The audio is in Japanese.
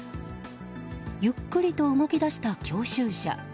ゆっくりと動き出した教習車。